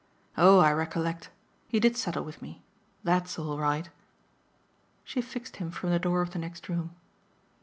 "Oh I recollect he did settle with me. THAT'S all right." She fixed him from the door of the next room.